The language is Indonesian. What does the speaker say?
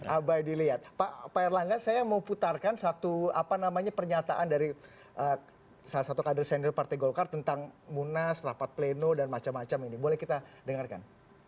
abai dilihat pak erlangga saya mau putarkan satu apa namanya pernyataan dari salah satu kader senior partai golkar tentang munas rapat pleno dan macam macam ini boleh kita dengarkan